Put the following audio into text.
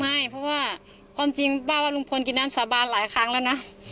ไม่เพราะว่าความจริงป้าว่าลุงพลกินน้ำสาบานหลายครั้งแล้วนะ